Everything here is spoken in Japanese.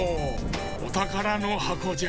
おたからのはこじゃ。